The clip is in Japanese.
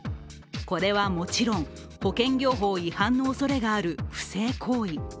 これはもちろん保険業法違反のおそれがある不正行為。